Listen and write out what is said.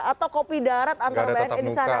atau kopi darat antar wni di sana